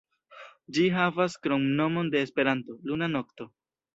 Ĝi havas kromnomon de Esperanto, "Luna Nokto".